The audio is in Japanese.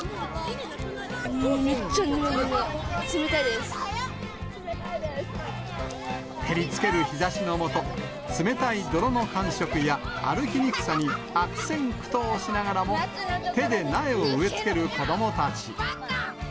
めっちゃぬるぬる、冷たいで照りつける日ざしの下、冷たい泥の感触や歩きにくさに悪戦苦闘しながらも、手で苗を植え付ける子どもたち。